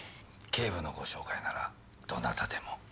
警部のご紹介ならどなたでも。